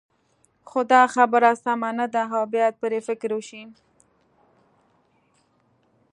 خو دا خبره سمه نه ده او باید پرې فکر وشي.